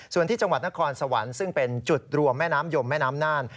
ส่วนที่จังหวัดนครสวรรค์ซึ่งเป็นจุดรวมแม่น้ำยมแม่น้ำน่าน